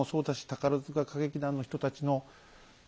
宝歌劇団の人たちの。